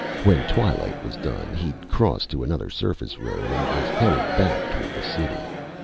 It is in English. When twilight was done, he'd crossed to another surface road and was headed back toward the city.